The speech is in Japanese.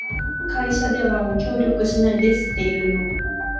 会社では協力しないですっていうのを。